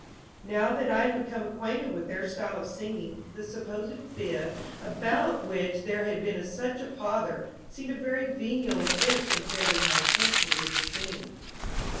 Now that I had become acquainted with their style of singing, the supposed fib, about which there had been such a pother, seemed a very venial offense compared with my attempt to lead the singing.